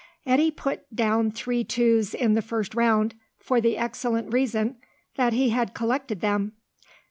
Eddy put down three twos in the first round, for the excellent reason that he had collected them.